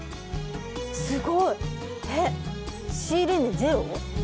すごい！えっ仕入れ値ゼロ？